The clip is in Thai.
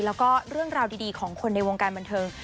แล้วก็เรื่องราวดีของคนในวงการบันเทิง